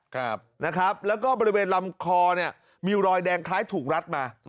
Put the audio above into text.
ครับนะครับแล้วก็บริเวณลำคอเนี่ยมีรอยแดงคล้ายถูกรัดมา